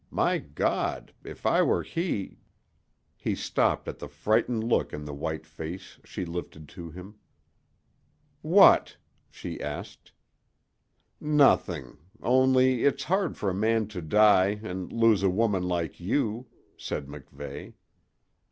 My God, if I were he " He stopped at the frightened look in the white face she lifted to him. "What?" she asked. "Nothing only it's hard for a man to die and lose a woman like you," said MacVeigh.